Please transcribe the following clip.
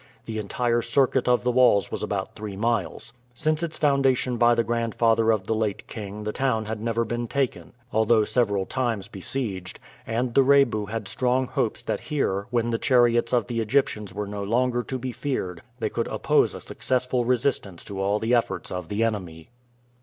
The entire circuit of the walls was about three miles. Since its foundation by the grandfather of the late king the town had never been taken, although several times besieged, and the Rebu had strong hopes that here, when the chariots of the Egyptians were no longer to be feared, they could oppose a successful resistance to all the efforts of the enemy.